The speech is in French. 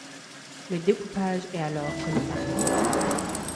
Le découpage est alors communal.